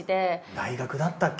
大学だったっけ？